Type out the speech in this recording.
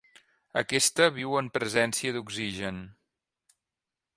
Aquesta viu en presència d'oxigen.